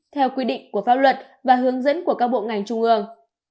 theo quy định của pháp luật và hướng dẫn của các bộ ngành trung ương